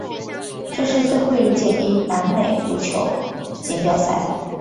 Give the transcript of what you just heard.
这是最后一届以南美足球锦标赛。